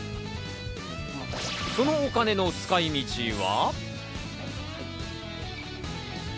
そのお金の使い道は。